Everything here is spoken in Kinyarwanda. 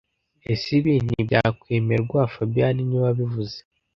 Ese Ibi ntibyakwemerwa fabien niwe wabivuze